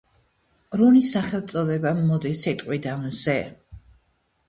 რუნის სახელწოდება მოდის სიტყვიდან „მზე“.